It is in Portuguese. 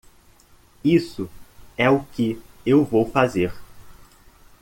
Isso é o que eu vou fazer.